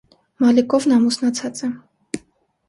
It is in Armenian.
Մալիկովն ամուսնացած է։